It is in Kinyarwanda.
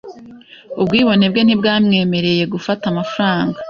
Ubwibone bwe ntibwamwemereye gufata amafaranga.